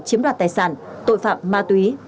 chiếm đoạt tài sản tội phạm ma túy